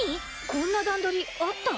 こんな段取りあった？